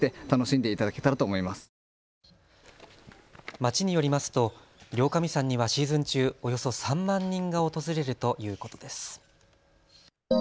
町によりますと両神山にはシーズン中、およそ３万人が訪れるということです。